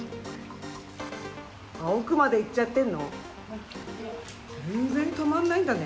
奥まで行っちゃってるの？